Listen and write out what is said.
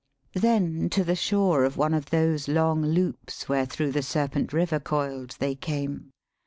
Then to the shore of one of those long loops Wherethro' the serpent river coil'd, they came.